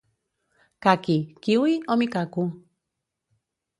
Caqui, kiwi o micaco?